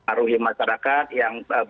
aruhi masyarakat yang bagus